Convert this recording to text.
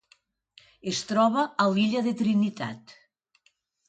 Es troba a l'illa de Trinitat.